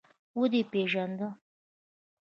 ودې پېژانده.